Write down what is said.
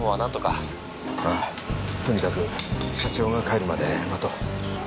ああとにかく社長が帰るまで待とう。